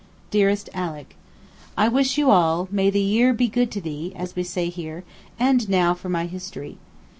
DEAREST ALICK, I wish you all, 'may the year be good to thee' as we say here—and now for my history.